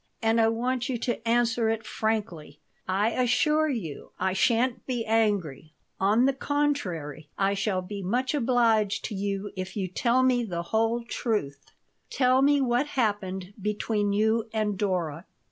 "And I want you to answer it frankly. I assure you I sha'n't be angry. On the contrary, I shall be much obliged to you if you tell me the whole truth. Tell me what happened between you and Dora."